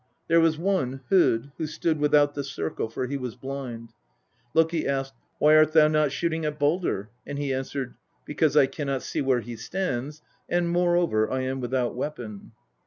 There was one, Hod, who stood without the circle, for he was blind. Loki asked ' Why art thou not shooting at Baldr ?' and he answered ' Because I cannot see where he stands, and moreover I am without weapon.'